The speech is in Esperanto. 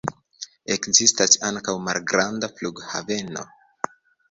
Ekzistas ankaŭ malgranda flughaveno.